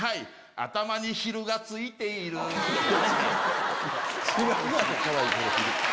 頭にヒルがついているヒル。